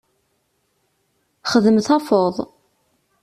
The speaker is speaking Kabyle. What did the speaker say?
Xdem tafeḍ.